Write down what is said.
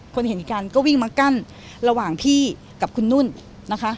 คนเห็นกันก็วิ่งมากั้นระหว่างพี่กับคุณนุ่นนะคะ